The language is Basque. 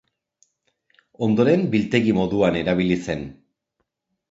Ondoren biltegi moduan erabili zen.